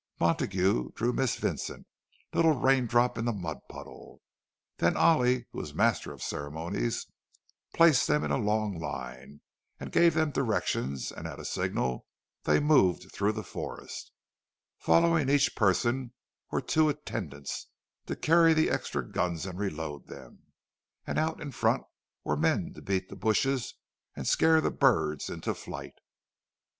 Montague drew Miss Vincent—"Little Raindrop in the Mud puddle." Then Ollie, who was master of ceremonies, placed them in a long line, and gave them the direction; and at a signal they moved through the forest; Following each person were two attendants, to carry the extra guns and reload them; and out in front were men to beat the bushes and scare the birds into flight.